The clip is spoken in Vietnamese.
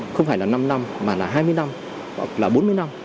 không phải là năm năm mà là hai mươi năm hoặc là bốn mươi năm